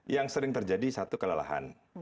yang sering terjadi satu kelelahan